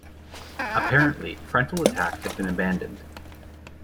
Apparently frontal attack had been abandoned.